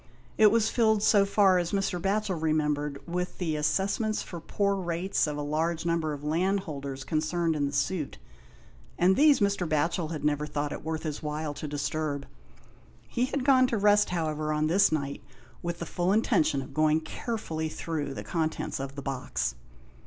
It was filled, so far as Mr. Batchel remembered, with the assessments for poor's rate of a large number of landholders concerned in the suit, and these Mr. Batchel had never thought it worth his while to disturb. He had gone to rest, however, on this night with the full intention of going carefully through the 139 GHOST TALES. contents of the box.